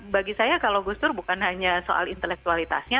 bagi saya kalau gus dur bukan hanya soal intelektualitasnya